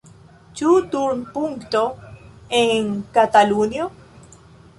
Ĉu turnpunkto en Katalunio?